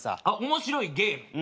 面白いゲーム？